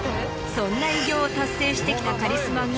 そんな偉業を達成してきたカリスマが。